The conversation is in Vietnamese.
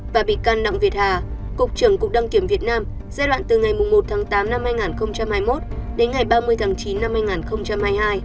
và bị can đặng việt hà cục trưởng cục đăng kiểm việt nam giai đoạn từ ngày một tháng tám năm hai nghìn hai mươi một đến ngày ba mươi tháng chín năm hai nghìn hai mươi hai